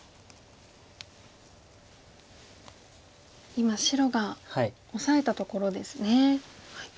今白がオサえたところですね。